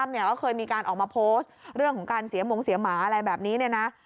ในวันนี้ท่านกัลมีการออกมาโพสต์เรื่องการเสียมงเสียหมาอะไรแบบนี้เลยนะ